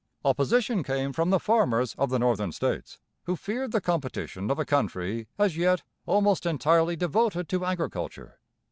Opposition came from the farmers of the Northern states, who feared the competition of a country, as yet, almost entirely devoted to agriculture.